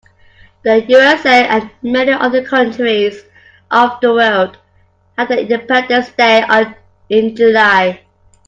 The USA and many other countries of the world have their independence day in July.